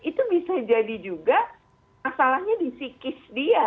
itu bisa jadi juga masalahnya di psikis dia